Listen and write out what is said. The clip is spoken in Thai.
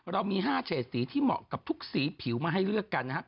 เรามี๕เฉดสีที่เหมาะกับทุกสีผิวมาให้เลือกกันนะครับ